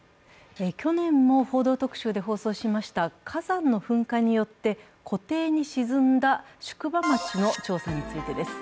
去年も「報道特集」で放送しました火山の噴火によって湖底に沈んだ宿場町の調査についてです。